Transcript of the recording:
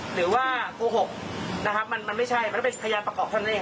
หรือว่าโกหกนะครับมันไม่ใช่มันต้องเป็นพยานประกอบเท่านั้นเอง